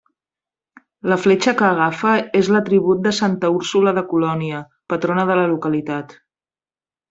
La fletxa que agafa és l'atribut de santa Úrsula de Colònia, patrona de la localitat.